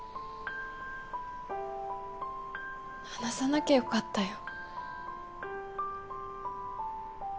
話さなきゃよかったよ。